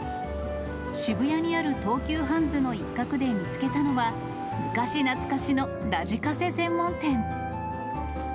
渋谷にある東急ハンズの一角で見つけたのは、昔懐かしのラジカセ専門店。